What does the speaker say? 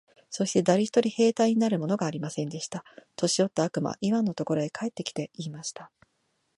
そして誰一人兵隊になるものがありませんでした。年よった悪魔はイワンのところへ帰って来て、言いました。